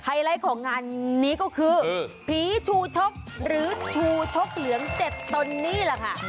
ไลท์ของงานนี้ก็คือผีชูชกหรือชูชกเหลือง๗ตนนี่แหละค่ะ